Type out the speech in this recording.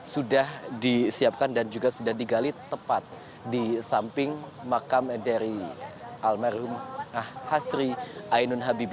sudah disiapkan dan juga sudah digali tepat di samping makam dari almerhum hasri